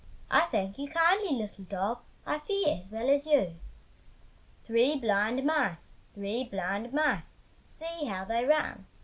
"I thank you kindly, little dog, I fare as well as you!" Three blind mice, three blind mice, See how they run!